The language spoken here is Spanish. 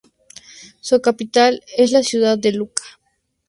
Su capital es la ciudad de Lucca.